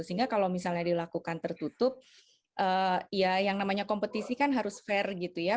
sehingga kalau misalnya dilakukan tertutup ya yang namanya kompetisi kan harus fair gitu ya